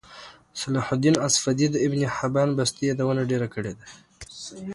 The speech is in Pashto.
صلاحالدیناصفدی دابنحبانبستيیادونهډیره کړیده